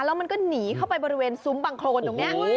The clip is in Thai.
แล้วมันก็หนีเข้าไปบริเวณซุ้มบังโครนตรงนี้